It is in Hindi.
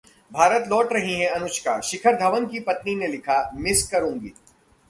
भारत लौट रही हैं अनुष्का, शिखर धवन की पत्नी ने लिखा- मिस करूंगी